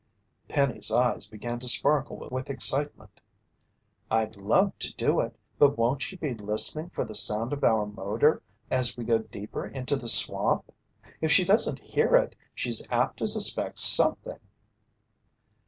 Penny's eyes began to sparkle with excitement. "I'd love to do it. But won't she be listening for the sound of our motor as we go deeper into the swamp? If she doesn't hear it, she's apt to suspect something."